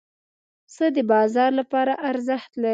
پسه د بازار لپاره ارزښت لري.